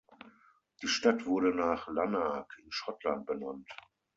Die Stadt wurde nach Lanark, in Schottland benannt.